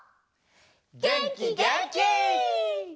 げんきげんき！